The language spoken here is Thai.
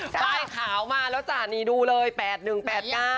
ป้ายขาวมาแล้วจ้ะนี่ดูเลย๘๑๘๙